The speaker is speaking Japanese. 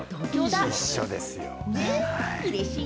一緒ですよ、はい。